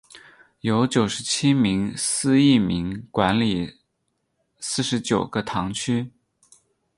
由九十七名司铎名管理四十九个堂区。